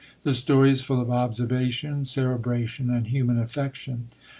The story is full of observation, cerebration, and human affection.